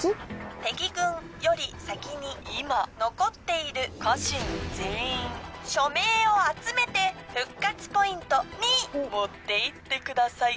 敵軍より先に今残っている家臣全員署名を集めて復活ポイントに持って行ってください。